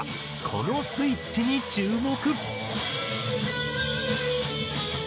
このスイッチに注目！